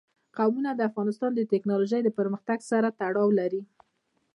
قومونه د افغانستان د تکنالوژۍ پرمختګ سره تړاو لري.